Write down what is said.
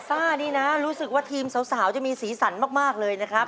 ซ่านี่นะรู้สึกว่าทีมสาวจะมีสีสันมากเลยนะครับ